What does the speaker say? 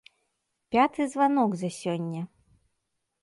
Пяты званок за сёння!